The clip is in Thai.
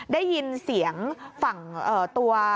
ได้ยินเสียงฝั่งตัว